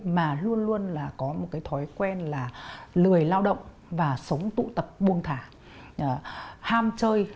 mà luôn luôn có một thói quen là lười lao động và sống tụ tập buông thả ham chơi